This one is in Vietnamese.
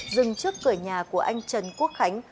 dừng trước cửa nhà của anh trần quốc khánh